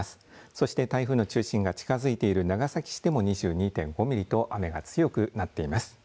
そして台風の中心が近づいている長崎市でも２２．５ミリと雨が強くなっています。